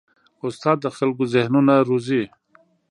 استاد د خلکو ذهنونه روزي.